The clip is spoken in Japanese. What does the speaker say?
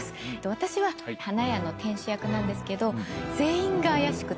私は花屋の店主役なんですけど全員が怪しくて。